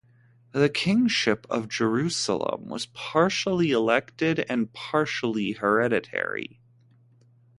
The kingship of Jerusalem was partially elected and partially hereditary.